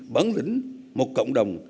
bản lĩnh một cộng đồng